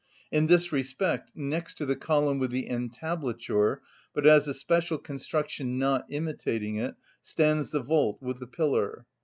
In this respect, next to the column with the entablature, but as a special construction not imitating it, stands the vault with the pillar.